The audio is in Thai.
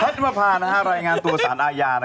พัดมาผ่านรายงานตัวสารอายา